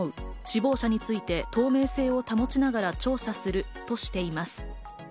死亡者について透明性を保ちながら調査するとしています。